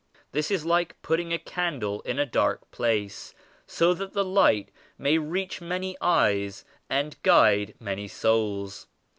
This is like putting a candle in a dark place so that the light may reach many eyes and guide many souls.